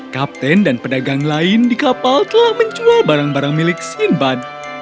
kapten dan pedagang lain di kapal telah menjual barang barang milik sinbad